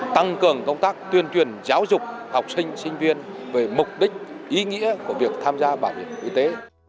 tăng cường công tác tuyên truyền giáo dục học sinh sinh viên về mục đích ý nghĩa của việc tham gia bảo hiểm y tế